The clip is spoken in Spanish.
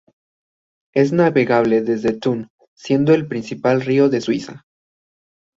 Es navegable desde Thun, siendo el principal río de Suiza.